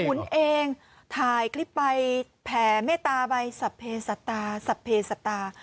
หมุนเองถ่ายคลิปไปแผ่เมตตาไปสับเพสัตว์สับเพสัตว์